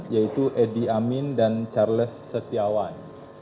yaitu edi amin dan charles setiawan